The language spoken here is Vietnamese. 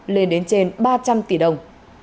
lên đến trên ba trăm linh tỷ đồng